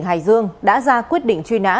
tỉnh hải dương đã ra quyết định truy nã